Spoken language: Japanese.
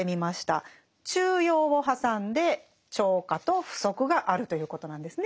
中庸を挟んで超過と不足があるということなんですね